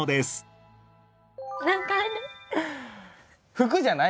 服じゃない？